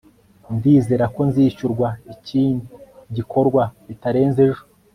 ndizera ko nzishyurwa iki gikorwa bitarenze ejo